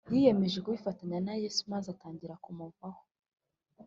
yiyemeje kutifatanya na yesu maze atangira kumuvaho